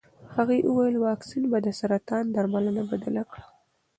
هغې وویل واکسین به د سرطان درملنه بدله کړي.